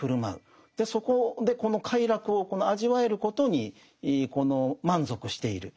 そこでこの快楽を味わえることに満足している。